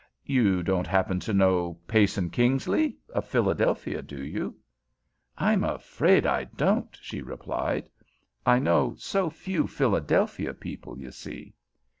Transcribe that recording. "You don't happen to know Peyson Kingsley, of Philadelphia, do you?" "I'm afraid I don't," she replied. "I know so few Philadelphia people, you see."